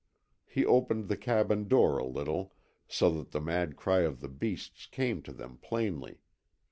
He opened the cabin door a little, so that the mad cry of the beasts came to them plainly.